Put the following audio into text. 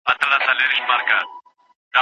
ځي همدغه راز سلوک وسي.